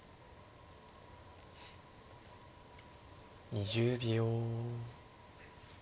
２０秒。